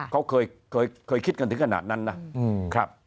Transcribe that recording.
เขาเคยคิดกันถึงขนาดนั้นนะครับ